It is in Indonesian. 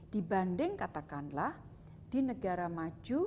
dibanding katakanlah di negara maju